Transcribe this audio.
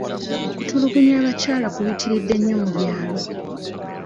Okutulugunya abakyala kuyitiridde nnyo mu byalo.